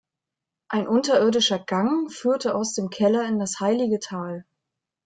Ein unterirdischer Gang führte aus dem Keller in das Heilige Tal.